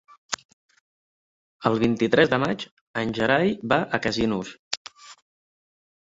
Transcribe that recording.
El vint-i-tres de maig en Gerai va a Casinos.